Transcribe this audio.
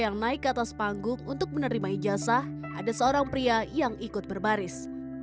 yang naik ke atas panggung untuk menerima ijazah ada seorang pria yang ikut berbaris